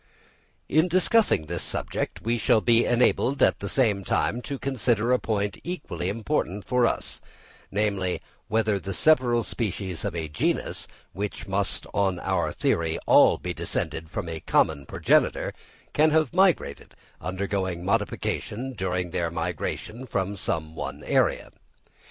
In discussing this subject we shall be enabled at the same time to consider a point equally important for us, namely, whether the several species of a genus which must on our theory all be descended from a common progenitor, can have migrated, undergoing modification during their migration from some one area.